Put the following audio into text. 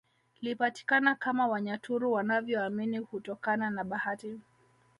Lipatikana kama Wanyaturu wanaovyoamini hutokana na bahati